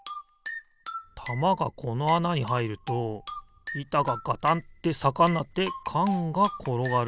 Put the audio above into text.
たまがこのあなにはいるといたがガタンってさかになってかんがころがる。